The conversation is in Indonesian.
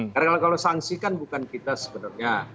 karena kalau sanksikan bukan kita sebenarnya ya